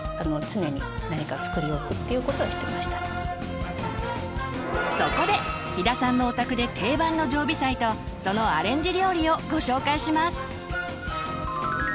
子どもがまだ小さい時はそこで飛田さんのお宅で定番の常備菜とそのアレンジ料理をご紹介します！